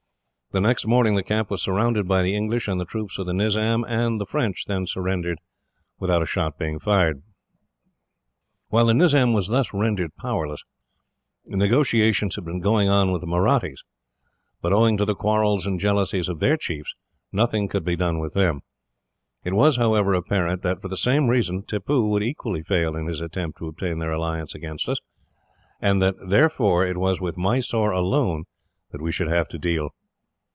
The next morning the camp was surrounded by the English and the troops of the Nizam, and the French then surrendered without a shot being fired. While the Nizam was thus rendered powerless, negotiations had been going on with the Mahrattis; but owing to the quarrels and jealousies of their chiefs, nothing could be done with them. It was, however, apparent that, for the same reason, Tippoo would equally fail in his attempt to obtain their alliance against us, and that therefore it was with Mysore alone that we should have to deal.